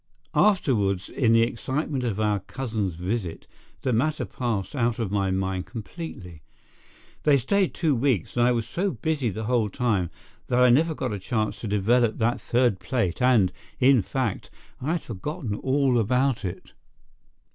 Afterwards, in the excitement of our cousins' visit, the matter passed out of my mind completely. They stayed two weeks, and I was so busy the whole time that I never got a chance to develop that third plate and, in fact, I had forgotten all about it.